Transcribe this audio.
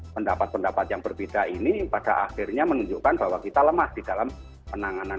pendapat pendapat yang berbeda ini pada akhirnya menunjukkan bahwa kita lemah di dalam penanganan